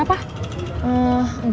a d juk puang